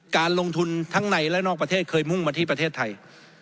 การลงทุนทั้งในและนอกประเทศเคยมุ่งมาที่ประเทศไทย